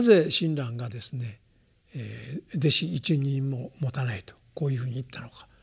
「弟子一人ももたない」とこういうふうに言ったのか。